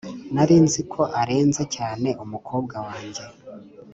nari nzi ko arenze cyane umukobwa wanjye.